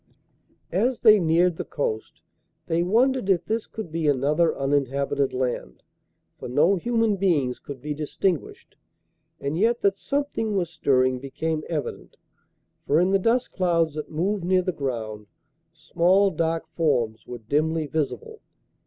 As they neared the coast they wondered if this could be another uninhabited land, for no human beings could be distinguished, and yet that something was stirring became evident, for in the dust clouds that moved near the ground small dark forms were dimly visible.